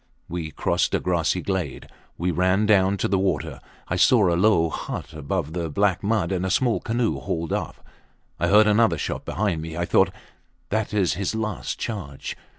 We crossed a grassy glade. We ran down to the water. I saw a low hut above the black mud, and a small canoe hauled up. I heard another shot behind me. I thought, That is his last charge.